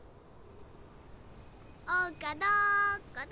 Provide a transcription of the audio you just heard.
おうかどこだ？